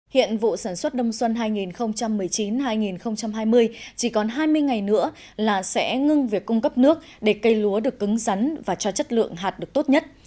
hiện vụ sản xuất đông xuân hai nghìn một mươi chín hai nghìn hai mươi chỉ còn hai mươi ngày nữa là sẽ ngưng việc cung cấp nước để cây lúa được cứng rắn và cho chất lượng hạt được tốt nhất